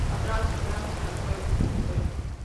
¡ Atrás! ¡ atrás! ¡ al suelo! ¡ al suelo!